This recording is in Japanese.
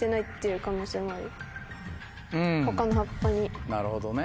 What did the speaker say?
うんなるほどね。